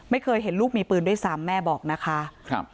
ไม่เคยเห็นลูกมีปืนด้วยซ้ำแม่บอกนะคะ